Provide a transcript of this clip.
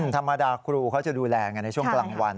ธรรมดาครูเขาจะดูแลกันในช่วงกลางวัน